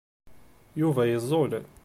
Yuba iẓul.